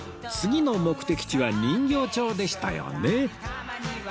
次の目的地は人形町でしたよね？